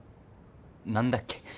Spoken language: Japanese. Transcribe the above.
何だっけ？